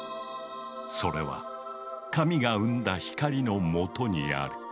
それは神が生んだ光のもとにある。